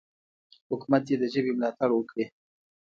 حکومت دې د ژبې ملاتړ وکړي.